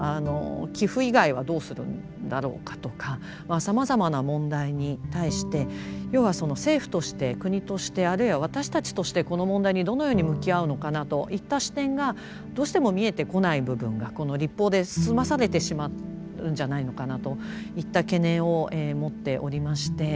寄附以外はどうするんだろうかとかまあさまざまな問題に対して要はその政府として国としてあるいは私たちとしてこの問題にどのように向き合うのかなといった視点がどうしても見えてこない部分がこの立法で済まされてしまうんじゃないのかなといった懸念を持っておりまして。